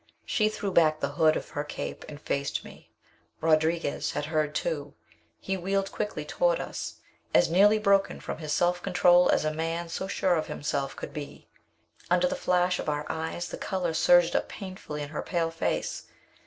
She threw back the hood of her cape and faced me. Rodriguez had heard, too. He wheeled quickly toward us, as nearly broken from his self control as a man so sure of himself could be. Under the flash of our eyes the color surged up painfully in her pale face.